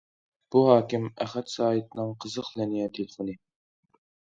بۇ ھاكىم ئەخەت سايىتنىڭ قىزىق لىنىيە تېلېفونى.